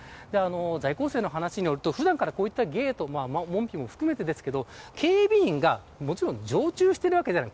在校生の話によると普段から、こういうゲート門扉も含めて警備員がもちろん常駐しているわけではない。